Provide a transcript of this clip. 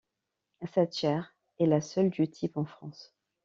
Cette Chaire est la seule du type en France.